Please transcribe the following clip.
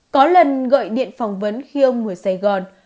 có lần gọi điện phỏng vấn khi ông ngồi sài gòn